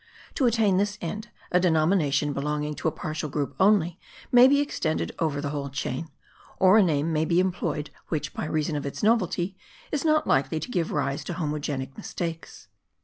To attain this end, a denomination belonging to a partial group only may be extended over the whole chain; or a name may be employed which, by reason of its novelty, is not likely to give rise to homogenic mistakes.